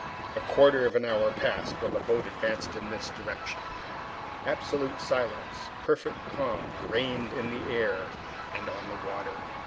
A quarter of an hour passed while the boat advanced in this direction. Absolute silence, perfect calm reigned in the air and on the water.